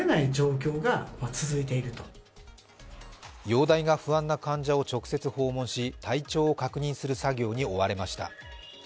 容体が不安な患者を直接訪問し体調を確認する作業に追われました。